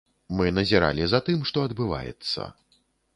Мы назіралі за тым, што адбываецца.